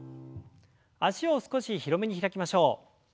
脚を少し広めに開きましょう。